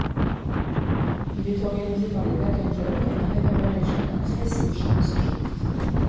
Il est organisé par les Black Angels et la Reverberation Appreciation Society.